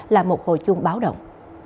là một hồi chuông báo động